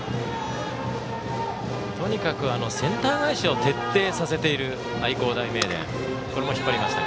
とにかくセンター返しを徹底させている愛工大名電。